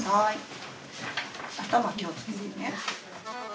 頭気をつけてね。